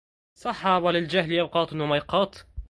صحا وللجهل أوقات وميقات